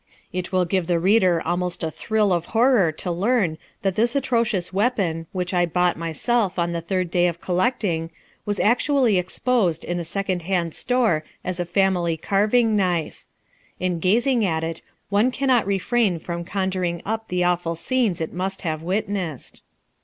It will give the reader almost a thrill of horror to learn that this atrocious weapon, which I bought myself on the third day of collecting, was actually exposed in a second hand store as a family carving knife. In gazing at it one cannot refrain from conjuring up the awful scenes it must have witnessed.